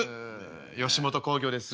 吉本興業です。